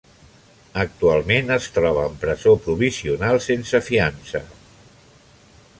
Actualment es troba en presó provisional sense fiança.